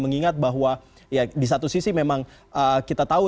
mengingat bahwa di satu sisi memang kita tahu